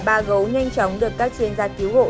ba gấu nhanh chóng được các chuyên gia cứu hộ